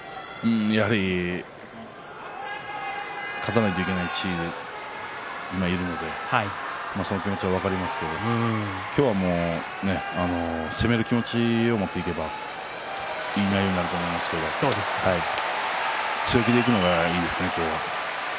やはり勝たなきゃいけない地位に今いるのでその気持ちは分かりますけど今日は攻める気持ちを持っていけば強気でいくのがいいですね今日は。